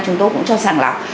chúng tôi cũng cho sàng lọc